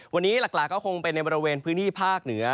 วันนี้หลักก็คงเป็นในบริเวณพื้นที่ภาคเหนือ